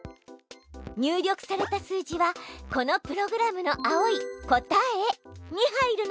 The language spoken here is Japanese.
入力された数字はこのプログラムの青い「答え」に入るの。